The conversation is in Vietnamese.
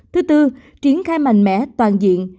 thứ tư triển khai mạnh mẽ toàn diện